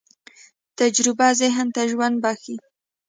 تجربه ذهن ته ژوند بښي.